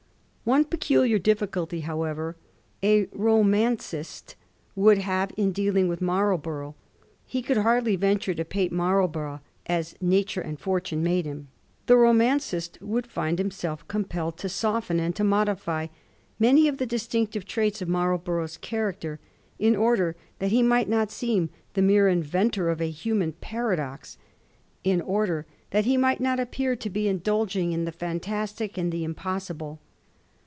One peculiar difficulty, however, a roman cist would have in dealing with Marlborough — he could hardly venture to paint Marlborough as nature and fortune made him. The romancist would find himself compelled to soften and to modify many of the distinctive traits of Marlborough's character, in order that he might not seem the mere inventor of a human paradox, in order that he might not appear to be indulging in the fantastic and the impossible.